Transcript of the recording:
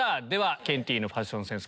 ケンティーのファッションセンス